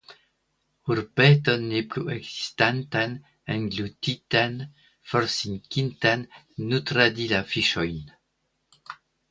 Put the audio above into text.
Urbeton ne plu ekzistantan, englutitan, forsinkintan nutradi la fiŝojn.